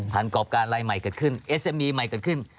ผันกรอบการลายใหม่เกิดขึ้น